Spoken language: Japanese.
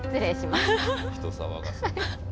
人騒がせな。